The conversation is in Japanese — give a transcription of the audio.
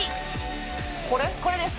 これです。